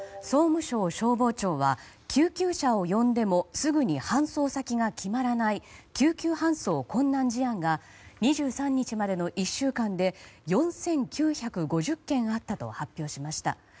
総務省消防庁は救急車を呼んでもすぐに搬送先が決まらない救急搬送困難事案が２３日までの１週間で４９５０件あったと発表しました。